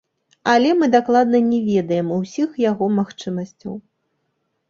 Але мы дакладна не ведаем усіх яго магчымасцяў.